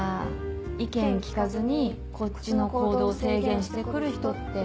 意見聞かずにこっちの行動制限してくる人って。